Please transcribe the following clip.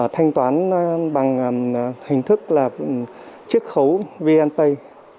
thanh toán bằng hình thức chiếc khấu vnpay